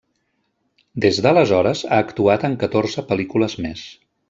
Des d'aleshores ha actuat en catorze pel·lícules més.